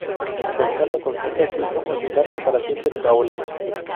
Gonzalo aconseja a su hijo olvidarse para siempre de Paola.